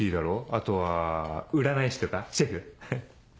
あとは占い師とかシェフ。